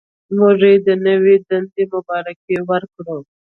موږ یې د نوې دندې مبارکي ورکړه.